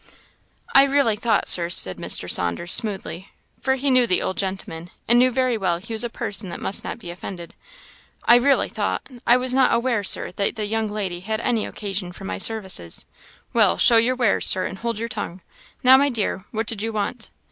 "I really thought, Sir," said Mr. Saunders, smoothly for he knew the old gentleman, and knew very well he was a person that must not be offended "I really thought I was not aware, Sir, that the young lady had any occasion for my services." "Well, show your wares, Sir, and hold your tongue. Now, my dear, what did you want?"